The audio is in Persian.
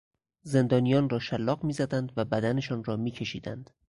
زندانیان را شلاق میزدند و بدنشان را میکشیدند.